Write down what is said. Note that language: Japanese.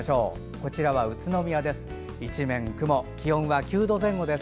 こちらは宇都宮です。